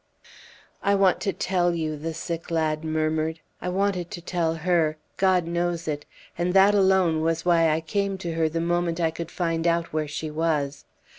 "I want to tell you," the sick lad murmured. "I wanted to tell her God knows it and that alone was why I came to her the moment I could find out where she was.